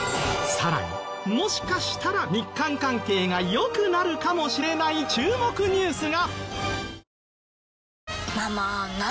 さらにもしかしたら日韓関係が良くなるかもしれない注目ニュースが。